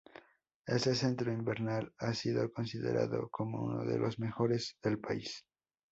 Este centro invernal ha sido considerado como uno de los mejores del país.